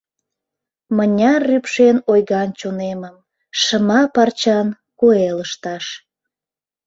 Мыняр рӱпшен ойган чонемым Шыма парчан куэ лышташ.